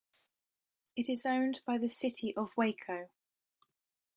It is owned by the City of Waco.